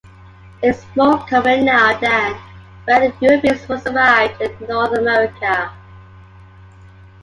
It is more common now than when Europeans first arrived in North America.